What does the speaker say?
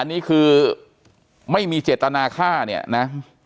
อันนี้คือไม่มีเจตนาฆ่าเนี่ยนะ